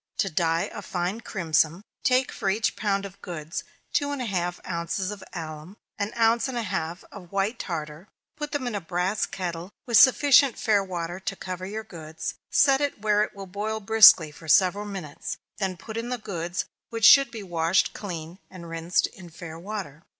To dye a fine crimson, take for each pound of goods two and a half ounces of alum, an ounce and a half of white tartar put them in a brass kettle, with sufficient fair water to cover your goods; set it where it will boil briskly for several minutes; then put in the goods, which should be washed clean, and rinsed in fair water.